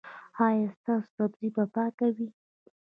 ایا ستاسو سبزي به پاکه وي؟